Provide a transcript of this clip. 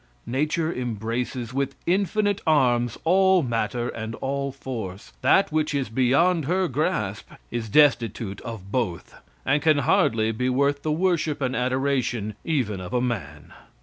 Nature embraces with infinite arms all matter and all force. That which is beyond her grasp is destitute of both, and can hardly be worth the worship and adoration even of a man.